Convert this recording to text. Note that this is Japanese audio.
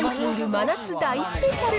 真夏大スペシャル。